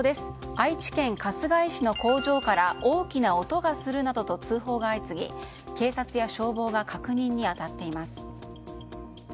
愛知県春日井市の工場から大きな音がするなどと通報が相次ぎ警察や消防が確認に当たっています。